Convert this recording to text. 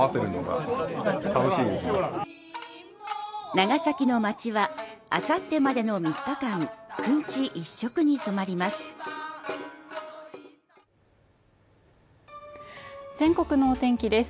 長崎の街はあさってまでの３日間くんち一色に染まります全国のお天気です